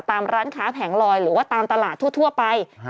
ร้านค้าแผงลอยหรือว่าตามตลาดทั่วไป